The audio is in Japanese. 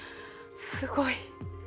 すごい！